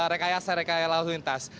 rekaya serekaya lalu lintas